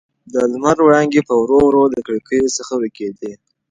د لمر وړانګې په ورو ورو له کړکۍ څخه ورکېدې.